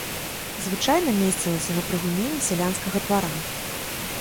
Звычайна месцілася на прыгуменні сялянскага двара.